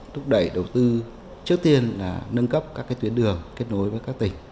thúc đẩy đầu tư trước tiên là nâng cấp các tuyến đường kết nối với các tỉnh